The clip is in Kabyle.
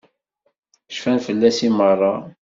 Cfan fell-as i meṛṛa.